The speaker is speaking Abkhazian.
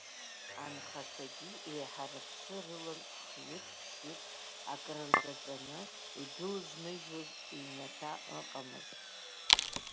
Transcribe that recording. Анхацәагьы еиҳа рыԥсы рылан хҩык, ԥшьҩык акрырҿаҵаны идәылзмыжьуаз ҩнаҭа ыҟамызт.